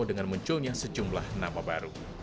dengan munculnya sejumlah nama baru